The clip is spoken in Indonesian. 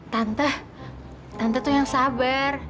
tante tante tuh yang sabar